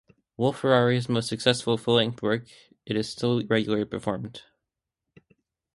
Wolf-Ferrari's most successful full-length work, it is still regularly performed.